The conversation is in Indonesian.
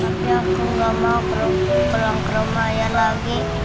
tapi aku enggak mau pulang ke rumah ayah lagi